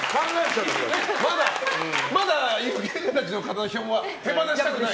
まだ有権者の方たちの票は手放したくない？